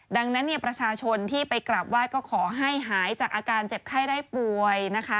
ดังนั้นประชาชนที่ไปกลับว่ายก็ขอให้หายจากอาการเจ็บไข้ได้ป่วย